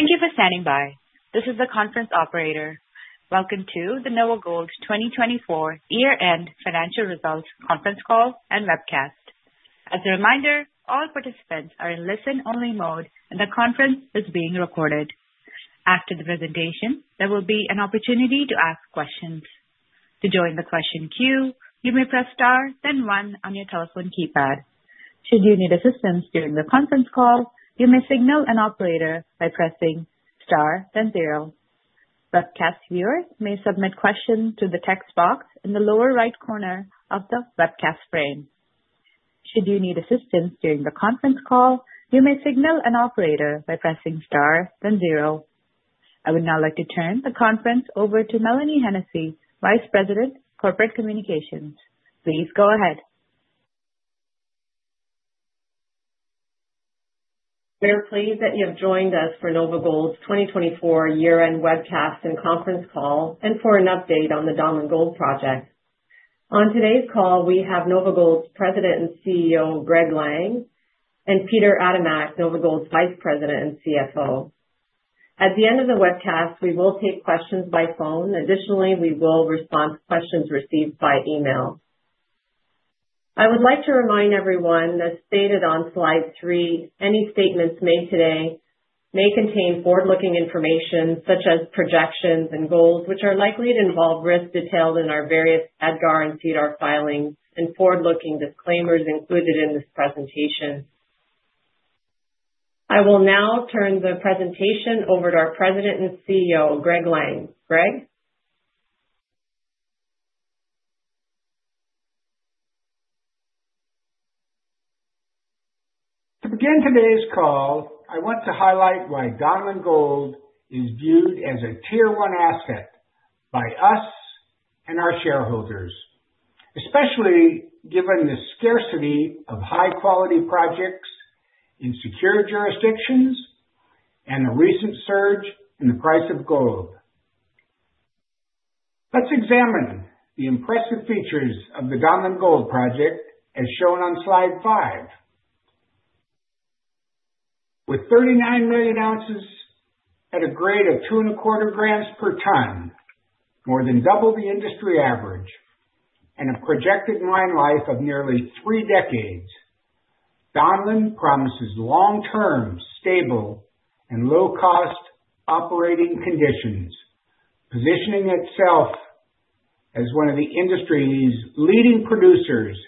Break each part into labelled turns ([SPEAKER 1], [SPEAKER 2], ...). [SPEAKER 1] Thank you for standing by. This is the conference operator. Welcome to the NovaGold 2024 year-end financial results conference call and webcast. As a reminder, all participants are in listen-only mode, and the conference is being recorded. After the presentation, there will be an opportunity to ask questions. To join the question queue, you may press star, then one on your telephone keypad. Should you need assistance during the conference call, you may signal an operator by pressing star, then zero. Webcast viewers may submit questions to the text box in the lower right corner of the webcast frame. Should you need assistance during the conference call, you may signal an operator by pressing star, then zero. I would now like to turn the conference over to Mélanie Hennessey, Vice President, Corporate Communications. Please go ahead.
[SPEAKER 2] We're pleased that you have joined us for NovaGold's 2024 year-end webcast and conference call, and for an update on the Donlin Gold project. On today's call, we have NovaGold's President and CEO, Greg Lang, and Peter Adamek, NovaGold's Vice President and CFO. At the end of the webcast, we will take questions by phone. Additionally, we will respond to questions received by email. I would like to remind everyone as stated on slide three, any statements made today may contain forward-looking information such as projections and goals, which are likely to involve risks detailed in our various EDGAR and SEDAR filings and forward-looking disclaimers included in this presentation. I will now turn the presentation over to our President and CEO, Greg Lang. Greg.
[SPEAKER 3] To begin today's call, I want to highlight why Donlin Gold is viewed as a tier-one asset by us and our shareholders, especially given the scarcity of high-quality projects in secure jurisdictions and the recent surge in the price of gold. Let's examine the impressive features of the Donlin Gold project, as shown on Slide five. With 39 million ounces at a grade of two and a quarter grams per ton, more than double the industry average, and a projected mine life of nearly three decades, Donlin promises long-term, stable, and low-cost operating conditions, positioning itself as one of the industry's leading producers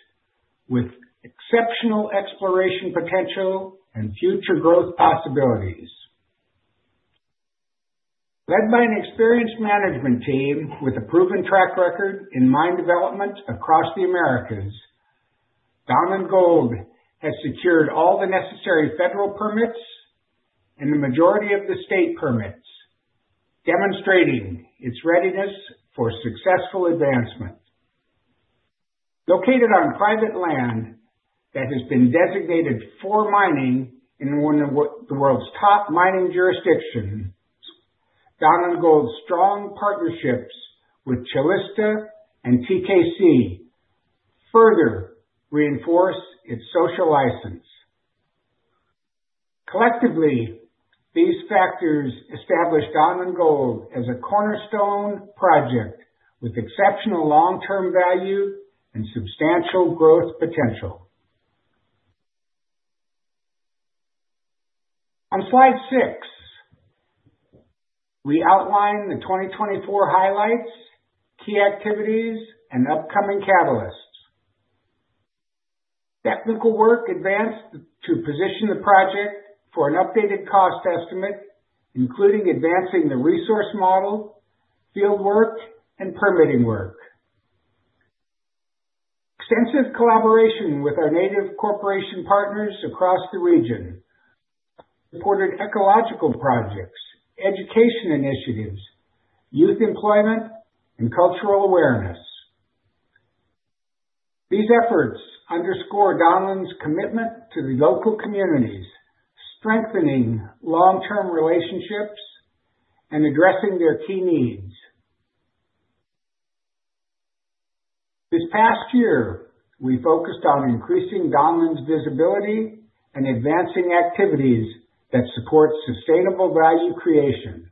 [SPEAKER 3] with exceptional exploration potential and future growth possibilities. Led by an experienced management team with a proven track record in mine development across the Americas, Donlin Gold has secured all the necessary federal permits and the majority of the state permits, demonstrating its readiness for successful advancement. Located on private land that has been designated for mining in one of the world's top mining jurisdictions, Donlin Gold's strong partnerships with Calista and TKC further reinforce its social license. Collectively, these factors establish Donlin Gold as a cornerstone project with exceptional long-term value and substantial growth potential. On Slide six, we outline the 2024 highlights, key activities, and upcoming catalysts. Technical work advanced to position the project for an updated cost estimate, including advancing the resource model, field work, and permitting work. Extensive collaboration with our Native Corporation partners across the region supported ecological projects, education initiatives, youth employment, and cultural awareness. These efforts underscore Donlin's commitment to the local communities, strengthening long-term relationships, and addressing their key needs. This past year, we focused on increasing Donlin's visibility and advancing activities that support sustainable value creation,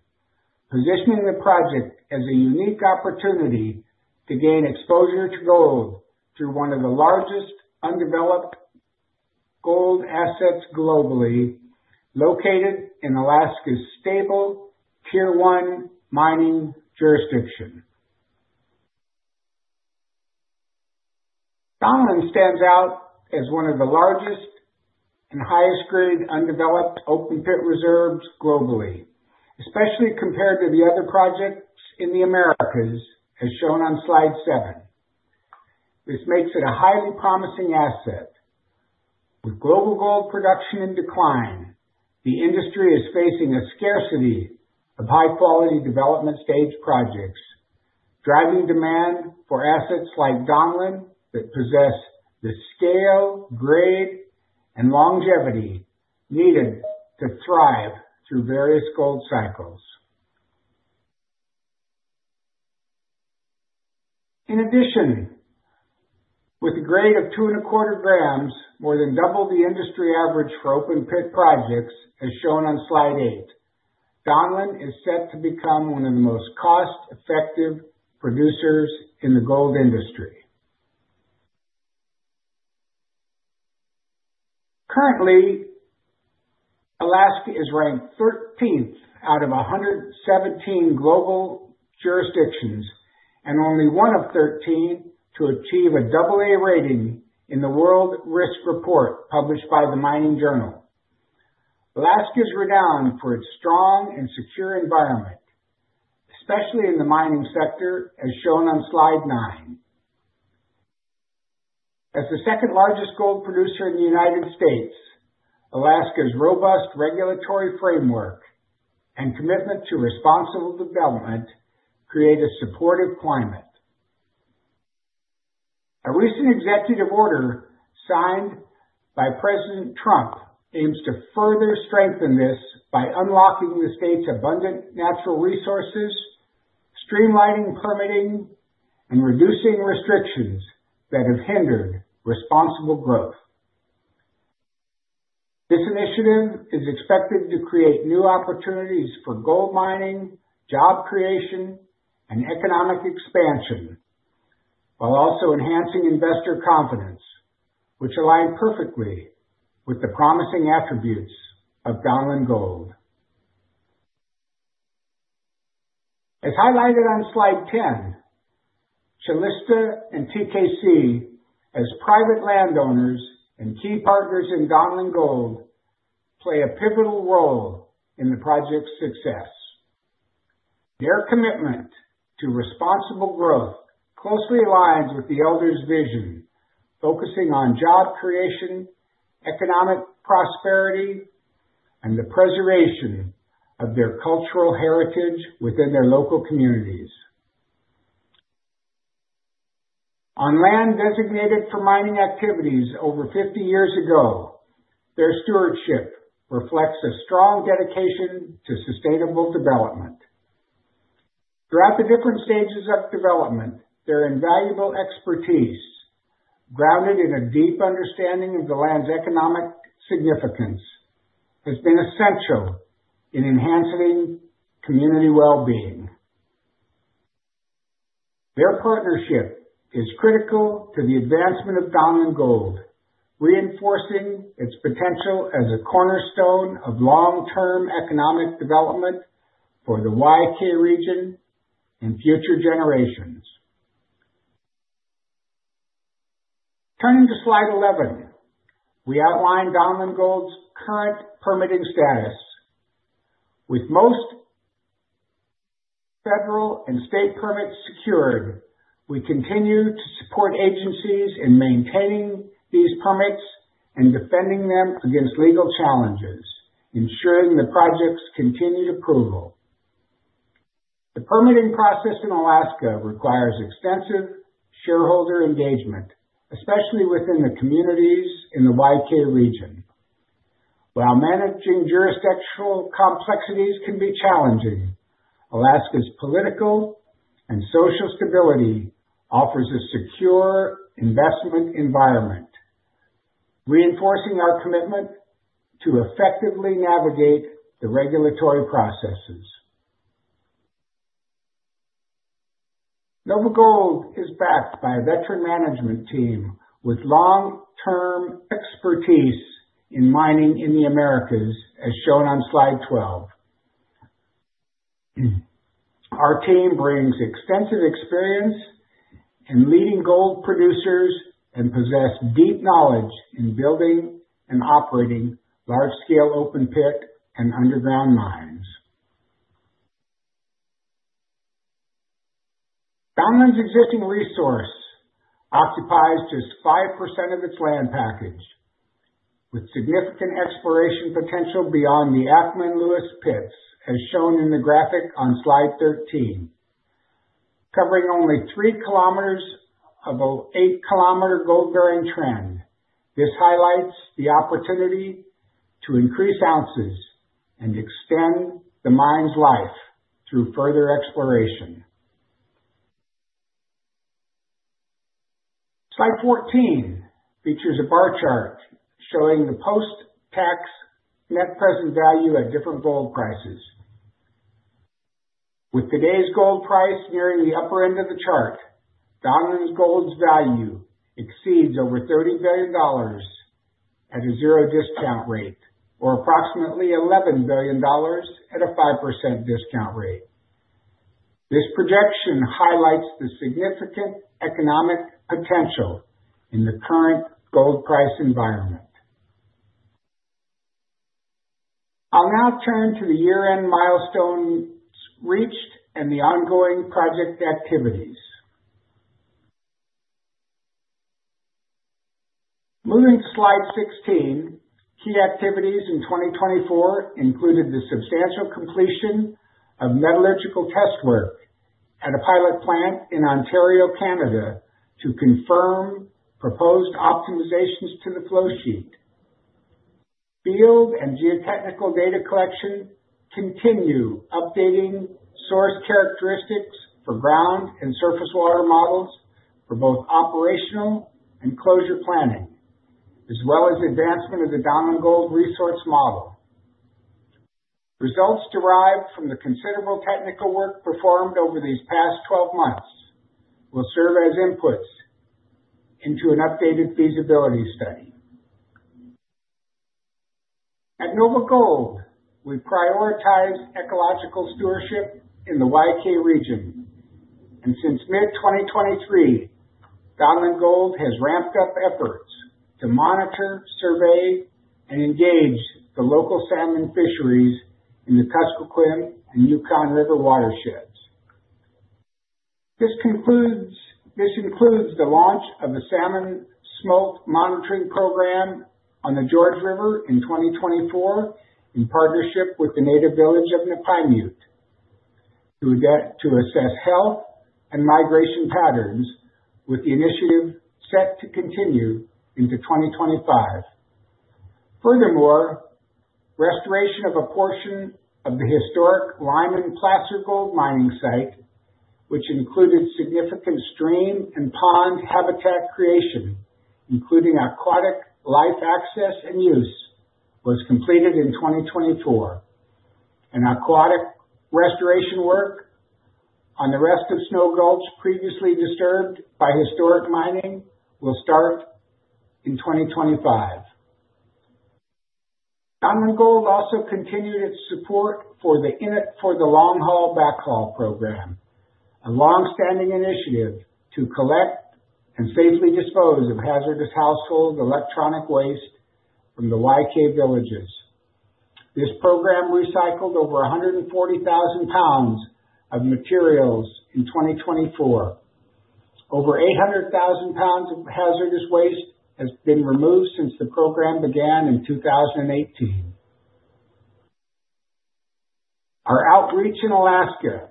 [SPEAKER 3] positioning the project as a unique opportunity to gain exposure to gold through one of the largest undeveloped gold assets globally, located in Alaska's stable Tier 1 mining jurisdiction. Donlin stands out as one of the largest and highest-grade undeveloped open pit reserves globally, especially compared to the other projects in the Americas, as shown on slide seven. This makes it a highly promising asset. With global gold production in decline, the industry is facing a scarcity of high-quality development-stage projects, driving demand for assets like Donlin that possess the scale, grade, and longevity needed to thrive through various gold cycles. In addition, with a grade of two and a quarter grams, more than double the industry average for open pit projects, as shown on Slide eight, Donlin is set to become one of the most cost-effective producers in the gold industry. Currently, Alaska is ranked 13th out of 117 global jurisdictions and only one of 13 to achieve a double-A rating in the World Risk Report published by the Mining Journal. Alaska is renowned for its strong and secure environment, especially in the mining sector, as shown on slide nine. As the second-largest gold producer in the United States, Alaska's robust regulatory framework and commitment to responsible development create a supportive climate. A recent executive order signed by President Trump aims to further strengthen this by unlocking the state's abundant natural resources, streamlining permitting, and reducing restrictions that have hindered responsible growth. This initiative is expected to create new opportunities for gold mining, job creation, and economic expansion, while also enhancing investor confidence, which align perfectly with the promising attributes of Donlin Gold. As highlighted on Slide ten, Calista and TKC, as private landowners and key partners in Donlin Gold, play a pivotal role in the project's success. Their commitment to responsible growth closely aligns with the elders' vision, focusing on job creation, economic prosperity, and the preservation of their cultural heritage within their local communities. On land designated for mining activities over 50 years ago, their stewardship reflects a strong dedication to sustainable development. Throughout the different stages of development, their invaluable expertise, grounded in a deep understanding of the land's economic significance, has been essential in enhancing community well-being. Their partnership is critical to the advancement of Donlin Gold, reinforcing its potential as a cornerstone of long-term economic development for the YK region and future generations. Turning to Slide 11, we outline Donlin Gold's current permitting status. With most federal and state permits secured, we continue to support agencies in maintaining these permits and defending them against legal challenges, ensuring the project's continued approval. The permitting process in Alaska requires extensive shareholder engagement, especially within the communities in the YK region. While managing jurisdictional complexities can be challenging, Alaska's political and social stability offers a secure investment environment, reinforcing our commitment to effectively navigate the regulatory processes. NovaGold is backed by a veteran management team with long-term expertise in mining in the Americas, as shown on Slide 12. Our team brings extensive experience in leading gold producers and possesses deep knowledge in building and operating large-scale open pit and underground mines. Donlin's existing resource occupies just 5% of its land package, with significant exploration potential beyond the ACMA and Lewis pits, as shown in the graphic on Slide 13. Covering only three kilometers of an eight-kilometer gold-bearing trend, this highlights the opportunity to increase ounces and extend the mine's life through further exploration. Slide 14 features a bar chart showing the post-tax net present value at different gold prices. With today's gold price nearing the upper end of the chart, Donlin Gold's value exceeds over $30 billion at a zero-discount rate, or approximately $11 billion at a 5% discount rate. This projection highlights the significant economic potential in the current gold price environment. I'll now turn to the year-end milestones reached and the ongoing project activities. Moving to Slide 16, key activities in 2024 included the substantial completion of metallurgical test work at a pilot plant in Ontario, Canada, to confirm proposed optimizations to the flowsheet. Field and geotechnical data collection continue updating source characteristics for ground and surface water models for both operational and closure planning, as well as advancement of the Donlin Gold resource model. Results derived from the considerable technical work performed over these past 12 months will serve as inputs into an updated feasibility study. At NovaGold, we prioritize ecological stewardship in the YK region, and since mid-2023, Donlin Gold has ramped up efforts to monitor, survey, and engage the local salmon fisheries in the Kuskokwim and Yukon River watersheds. This includes the launch of a salmon smolt monitoring program on the George River in 2024, in partnership with the Native Village of Napaimute, to assess health and migration patterns, with the initiative set to continue into 2025. Furthermore, restoration of a portion of the historic Lyman Placer Mining site, which included significant stream and pond habitat creation, including aquatic life access and use, was completed in 2024. Aquatic restoration work on the rest of Snow Gulch previously disturbed by historic mining will start in 2025. Donlin Gold also continued its support for the Long Haul Backhaul Program, a long-standing initiative to collect and safely dispose of hazardous household electronic waste from the YK villages. This program recycled over 140,000 pounds of materials in 2024. Over 800,000 pounds of hazardous waste have been removed since the program began in 2018. Our outreach in Alaska,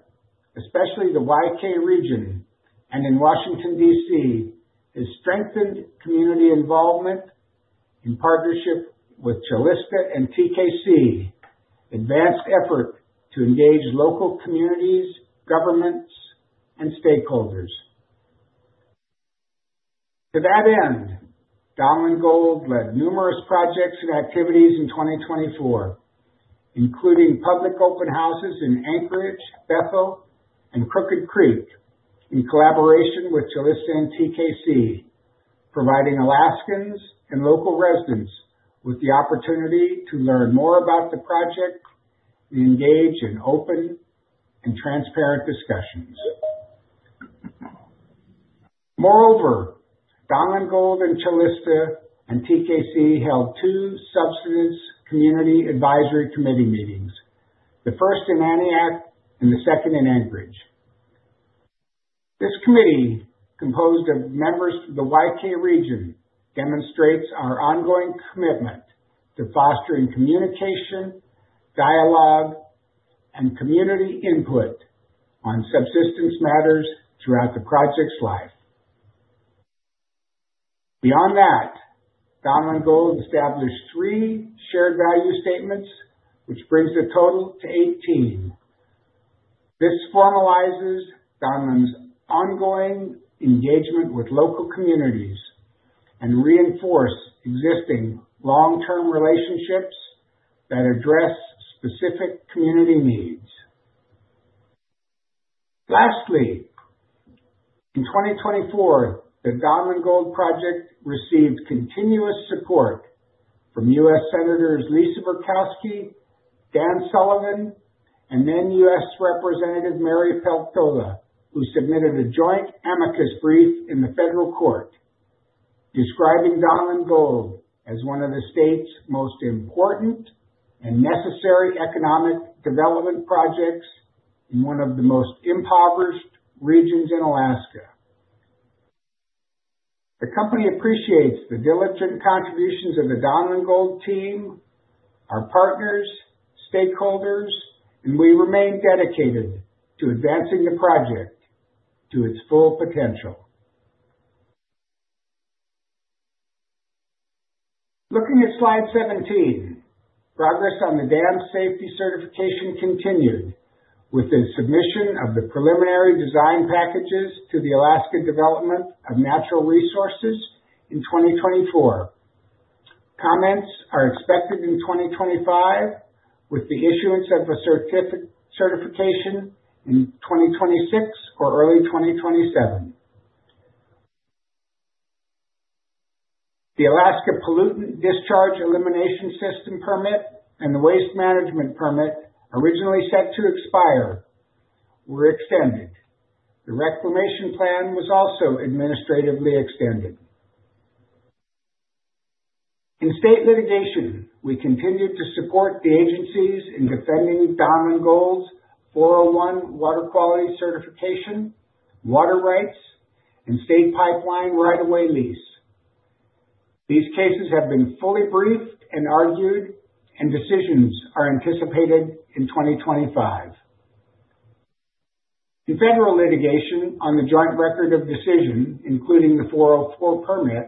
[SPEAKER 3] especially the YK region and in Washington, D.C., has strengthened community involvement in partnership with Calista and TKC, an advanced effort to engage local communities, governments, and stakeholders. To that end, Donlin Gold led numerous projects and activities in 2024, including public open houses in Anchorage, Bethel, and Crooked Creek, in collaboration with Calista and TKC, providing Alaskans and local residents with the opportunity to learn more about the project and engage in open and transparent discussions. Moreover, Donlin Gold and Calista and TKC held two Subsistence Community Advisory Committee meetings, the first in Aniak and the second in Anchorage. This committee, composed of members from the YK region, demonstrates our ongoing commitment to fostering communication, dialogue, and community input on subsistence matters throughout the project's life. Beyond that, Donlin Gold established three Shared Value Statements, which brings the total to 18. This formalizes Donlin's ongoing engagement with local communities and reinforces existing long-term relationships that address specific community needs. Lastly, in 2024, the Donlin Gold Project received continuous support from U.S. Senators Lisa Murkowski, Dan Sullivan, and then U.S. Representative Mary Peltola, who submitted a joint amicus brief in the federal court, describing Donlin Gold as one of the state's most important and necessary economic development projects in one of the most impoverished regions in Alaska. The company appreciates the diligent contributions of the Donlin Gold team, our partners, stakeholders, and we remain dedicated to advancing the project to its full potential. Looking at Slide 17, progress on the dam safety certification continued with the submission of the preliminary design packages to the Alaska Department of Natural Resources in 2024. Comments are expected in 2025, with the issuance of a certification in 2026 or early 2027. The Alaska Pollutant Discharge Elimination System permit and the Waste Management Permit, originally set to expire, were extended. The Reclamation Plan was also administratively extended. In state litigation, we continued to support the agencies in defending Donlin Gold's 401 Water Quality Certification, water rights, and state pipeline right-of-way lease. These cases have been fully briefed and argued, and decisions are anticipated in 2025. In federal litigation on the Joint Record of Decision, including the 404 Permit,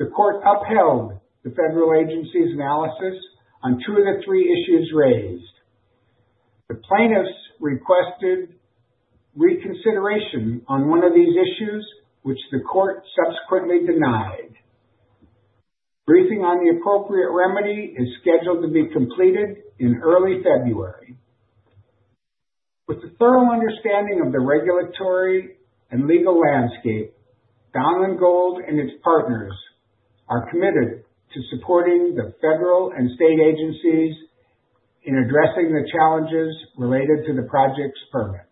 [SPEAKER 3] the court upheld the federal agency's analysis on two of the three issues raised. The plaintiffs requested reconsideration on one of these issues, which the court subsequently denied. Briefing on the appropriate remedy is scheduled to be completed in early February. With the thorough understanding of the regulatory and legal landscape, Donlin Gold and its partners are committed to supporting the federal and state agencies in addressing the challenges related to the project's permits.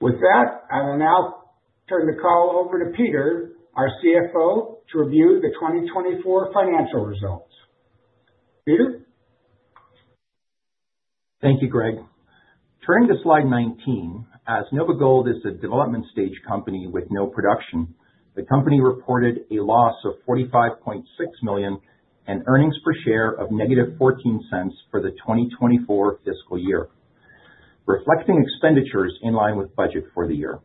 [SPEAKER 3] With that, I will now turn the call over to Peter, our CFO, to review the 2024 financial results. Peter?
[SPEAKER 4] Thank you, Greg. Turning to Slide 19, as NovaGold is a development-stage company with no production, the company reported a loss of $45.6 million and earnings per share of negative $0.14 for the 2024 fiscal year, reflecting expenditures in line with budget for the year.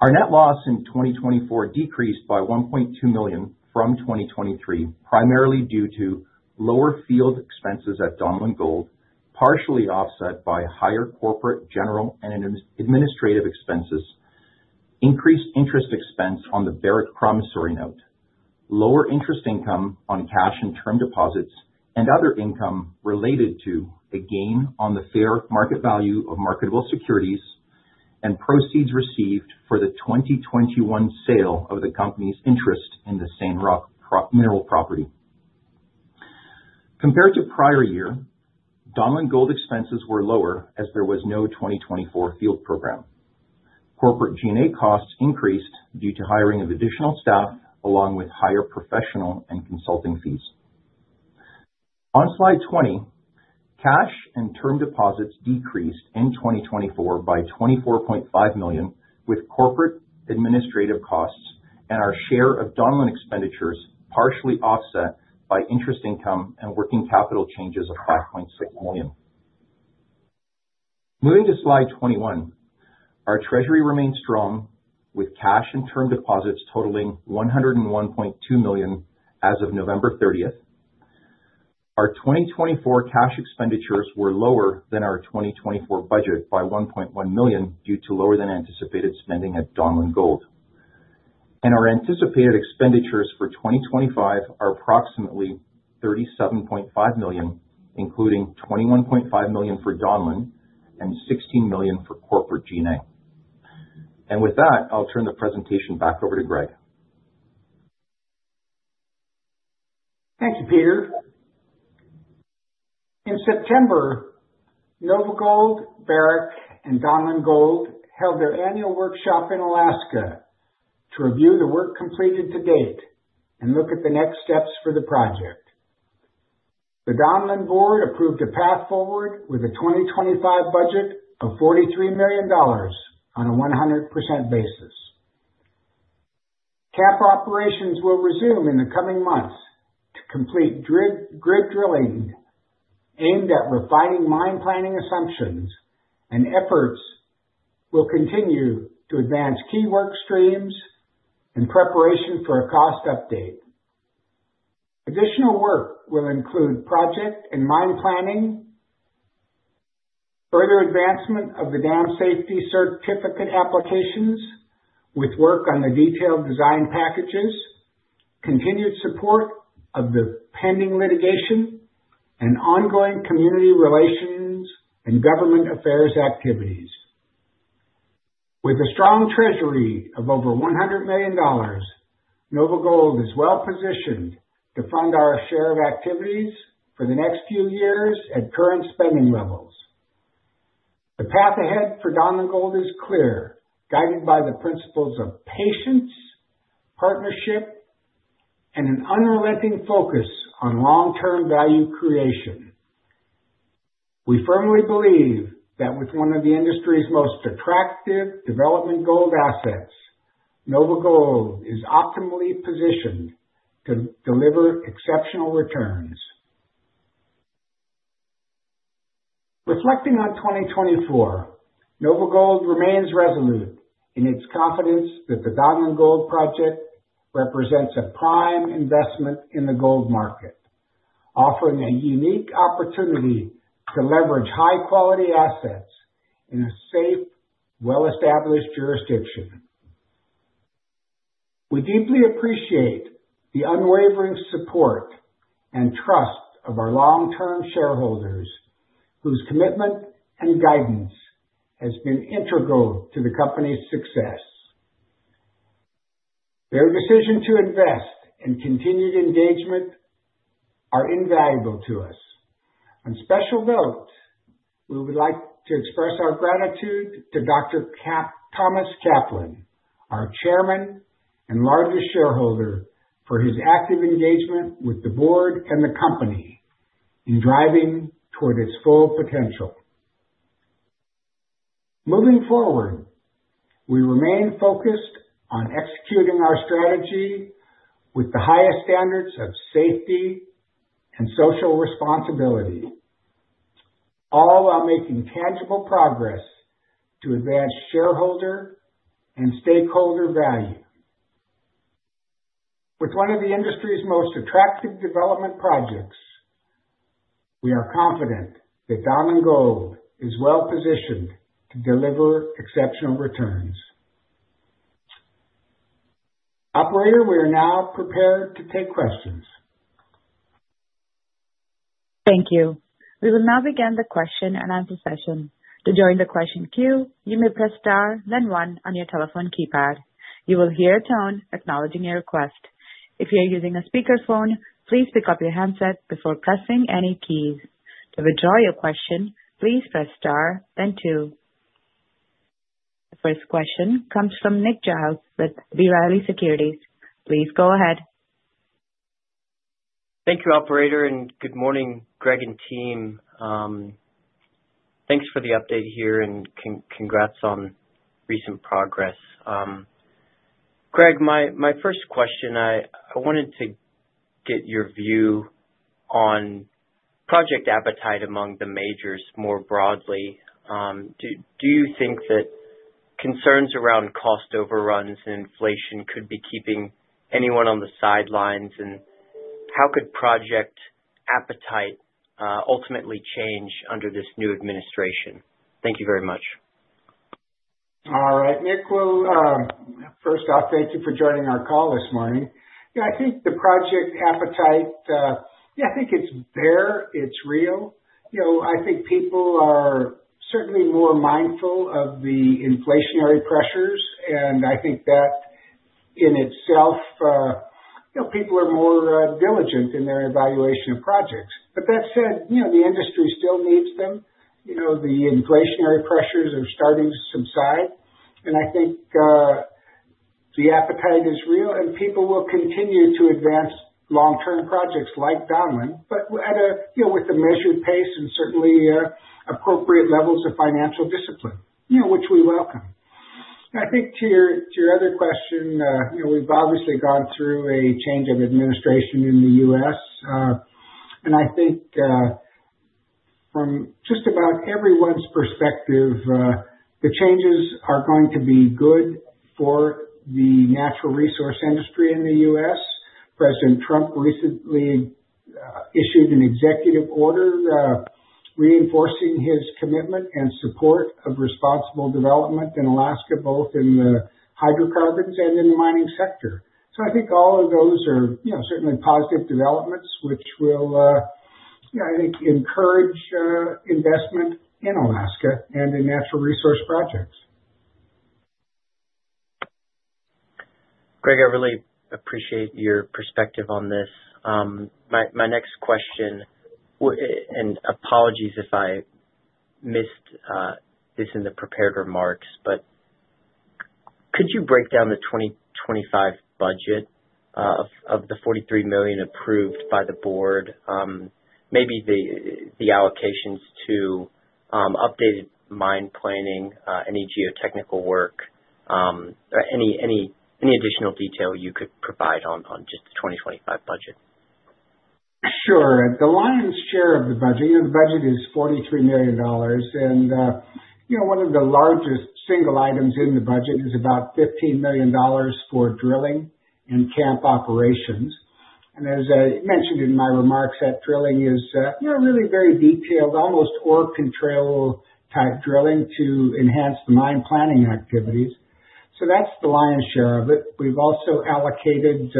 [SPEAKER 4] Our net loss in 2024 decreased by $1.2 million from 2023, primarily due to lower field expenses at Donlin Gold, partially offset by higher corporate general and administrative expenses, increased interest expense on the Barrick promissory note, lower interest income on cash and term deposits, and other income related to a gain on the fair market value of marketable securities and proceeds received for the 2021 sale of the company's interest in the San Roque mineral property. Compared to prior year, Donlin Gold expenses were lower as there was no 2024 field program. Corporate G&A costs increased due to hiring of additional staff, along with higher professional and consulting fees. On Slide 20, cash and term deposits decreased in 2024 by $24.5 million, with corporate administrative costs and our share of Donlin expenditures partially offset by interest income and working capital changes of $5.6 million. Moving to Slide 21, our treasury remained strong, with cash and term deposits totaling $101.2 million as of November 30th. Our 2024 cash expenditures were lower than our 2024 budget by $1.1 million due to lower-than-anticipated spending at Donlin Gold. Our anticipated expenditures for 2025 are approximately $37.5 million, including $21.5 million for Donlin and $16 million for corporate G&A. With that, I'll turn the presentation back over to Greg.
[SPEAKER 3] Thank you, Peter. In September, NovaGold, Barrick, and Donlin Gold held their annual workshop in Alaska to review the work completed to date and look at the next steps for the project. The Donlin Board approved a path forward with a 2025 budget of $43 million on a 100% basis. Camp operations will resume in the coming months to complete grid drilling aimed at refining mine planning assumptions, and efforts will continue to advance key work streams in preparation for a cost update. Additional work will include project and mine planning, further advancement of the dam safety certificate applications with work on the detailed design packages, continued support of the pending litigation, and ongoing community relations and government affairs activities. With a strong treasury of over $100 million, NovaGold is well-positioned to fund our share of activities for the next few years at current spending levels. The path ahead for Donlin Gold is clear, guided by the principles of patience, partnership, and an unrelenting focus on long-term value creation. We firmly believe that with one of the industry's most attractive development gold assets, NovaGold is optimally positioned to deliver exceptional returns. Reflecting on 2024, NovaGold remains resolute in its confidence that the Donlin Gold Project represents a prime investment in the gold market, offering a unique opportunity to leverage high-quality assets in a safe, well-established jurisdiction. We deeply appreciate the unwavering support and trust of our long-term shareholders, whose commitment and guidance have been integral to the company's success. Their decision to invest and continued engagement are invaluable to us. On special note, we would like to express our gratitude to Dr. Thomas Kaplan, our chairman and largest shareholder, for his active engagement with the board and the company in driving toward its full potential. Moving forward, we remain focused on executing our strategy with the highest standards of safety and social responsibility, all while making tangible progress to advance shareholder and stakeholder value. With one of the industry's most attractive development projects, we are confident that Donlin Gold is well-positioned to deliver exceptional returns. Operator, we are now prepared to take questions.
[SPEAKER 1] Thank you. We will now begin the question and answer session. To join the question queue, you may press star, then one on your telephone keypad. You will hear a tone acknowledging your request. If you are using a speakerphone, please pick up your handset before pressing any keys. To withdraw your question, please press star, then two. The first question comes from Nick Giles with B. Riley Securities. Please go ahead.
[SPEAKER 5] Thank you, Operator, and good morning, Greg and team. Thanks for the update here and congrats on recent progress. Greg, my first question, I wanted to get your view on project appetite among the majors more broadly. Do you think that concerns around cost overruns and inflation could be keeping anyone on the sidelines? And how could project appetite ultimately change under this new administration? Thank you very much.
[SPEAKER 3] All right, Nick, well, first off, thank you for joining our call this morning. I think the project appetite, yeah, I think it's there. It's real. I think people are certainly more mindful of the inflationary pressures, and I think that in itself, people are more diligent in their evaluation of projects. But that said, the industry still needs them. The inflationary pressures are starting to subside, and I think the appetite is real, and people will continue to advance long-term projects like Donlin, but with the measured pace and certainly appropriate levels of financial discipline, which we welcome. I think to your other question, we've obviously gone through a change of administration in the U.S., and I think from just about everyone's perspective, the changes are going to be good for the natural resource industry in the U.S. President Trump recently issued an executive order reinforcing his commitment and support of responsible development in Alaska, both in the hydrocarbons and in the mining sector. So I think all of those are certainly positive developments, which will, I think, encourage investment in Alaska and in natural resource projects.
[SPEAKER 5] Greg, I really appreciate your perspective on this. My next question, and apologies if I missed this in the prepared remarks, but could you break down the 2025 budget of the $43 million approved by the board, maybe the allocations to updated mine planning, any geotechnical work, any additional detail you could provide on just the 2025 budget?
[SPEAKER 3] Sure. The lion's share of the budget, the budget is $43 million, and one of the largest single items in the budget is about $15 million for drilling and camp operations, and as I mentioned in my remarks, that drilling is really very detailed, almost ore control type drilling to enhance the mine planning activities, so that's the lion's share of it. We've also allocated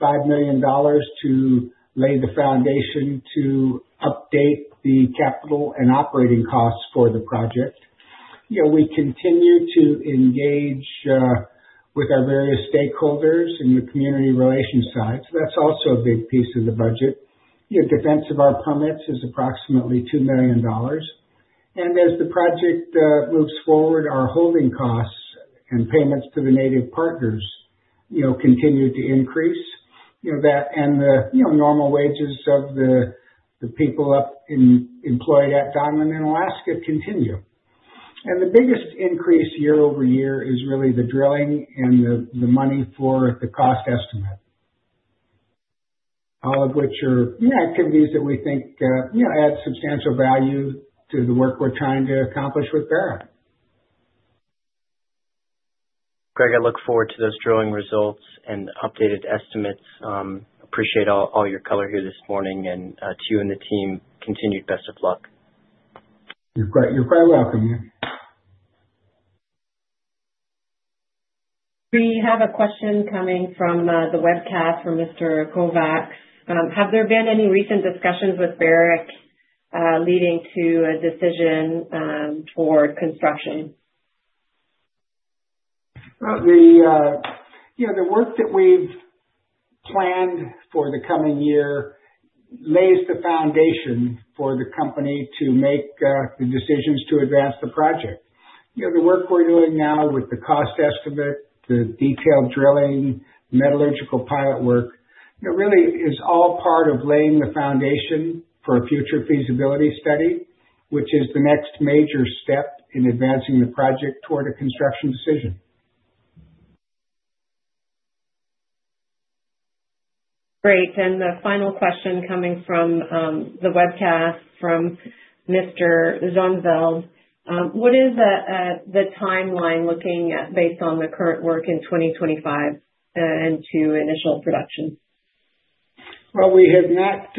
[SPEAKER 3] $5 million to lay the foundation to update the capital and operating costs for the project. We continue to engage with our various stakeholders in the community relations side, so that's also a big piece of the budget. Defense of our permits is approximately $2 million, and as the project moves forward, our holding costs and payments to the native partners continue to increase, and the normal wages of the people employed at Donlin in Alaska continue. And the biggest increase year-over-year is really the drilling and the money for the cost estimate, all of which are activities that we think add substantial value to the work we're trying to accomplish with Barrick.
[SPEAKER 5] Greg, I look forward to those drilling results and updated estimates. Appreciate all your color here this morning, and to you and the team, continued best of luck.
[SPEAKER 3] You're quite welcome.
[SPEAKER 1] We have a question coming from the webcast from Mr. Kovacs. Have there been any recent discussions with Barrick leading to a decision toward construction?
[SPEAKER 3] The work that we've planned for the coming year lays the foundation for the company to make the decisions to advance the project. The work we're doing now with the cost estimate, the detailed drilling, metallurgical pilot work, really is all part of laying the foundation for a future feasibility study, which is the next major step in advancing the project toward a construction decision.
[SPEAKER 1] Great. And the final question coming from the webcast from Mr. Zohar Veld. What is the timeline looking at based on the current work in 2025 and to initial production?
[SPEAKER 3] Well, we have not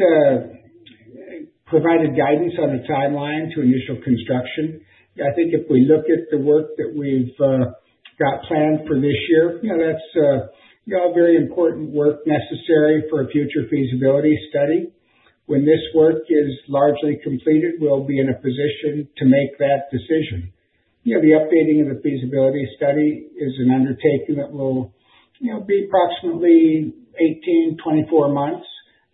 [SPEAKER 3] provided guidance on the timeline to initial construction. I think if we look at the work that we've got planned for this year, that's all very important work necessary for a future feasibility study. When this work is largely completed, we'll be in a position to make that decision. The updating of the feasibility study is an undertaking that will be approximately 18-24 months.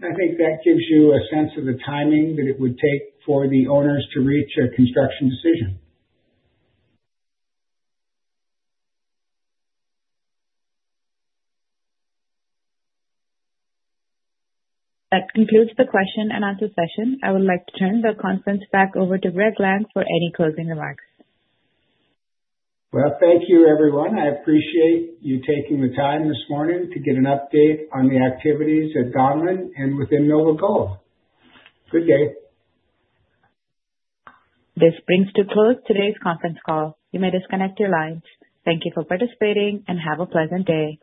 [SPEAKER 3] I think that gives you a sense of the timing that it would take for the owners to reach a construction decision.
[SPEAKER 1] That concludes the question and answer session. I would like to turn the conference back over to Greg Lang for any closing remarks.
[SPEAKER 3] Well, thank you, everyone. I appreciate you taking the time this morning to get an update on the activities at Donlin and within NovaGold. Good day.
[SPEAKER 1] This brings to a close today's conference call. You may disconnect your lines. Thank you for participating and have a pleasant day.